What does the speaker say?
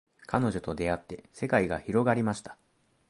彼女と出会って世界が広がりました